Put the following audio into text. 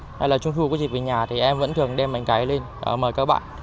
hay là trung thu có dịp về nhà thì em vẫn thường đem bánh cấy lên mời các bạn